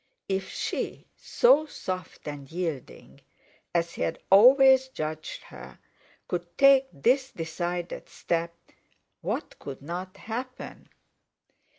If she, so soft and yielding as he had always judged her, could take this decided step—what could not happen?